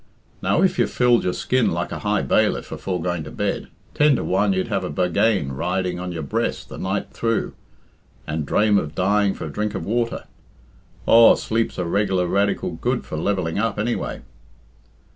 Now, if you filled your skin like a High Bailiff afore going to bed, ten to one you'd have a buggane riding on your breast the night through and drame of dying for a drink of water. Aw, sleep's a reg'lar Radical Good for levelling up, anyway."